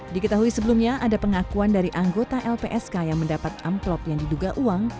diketahui sebelumnya ada pengakuan dari anggota lpsk yang mendapat amplop yang diduga uang